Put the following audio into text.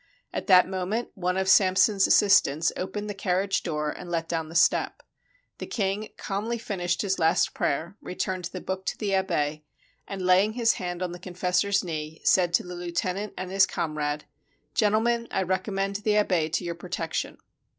At that moment one of Samson's assistants opened the car riage door and let down the step. The king calmly fin ished his last prayer, returned the book to the abbe, and, laying his hand on the confessor's knee, said to the lieu tenant and his comrade: "Gentlemen, I recommend the abbe to your protection."